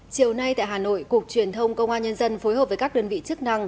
chiều nay tại hà nội cục truyền thông công an nhân dân phối hợp với các đơn vị chức năng